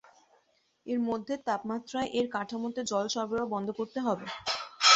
এর মধ্যের তাপমাত্রায় এর কাঠামোতে জল সরবরাহ বন্ধ করতে হবে।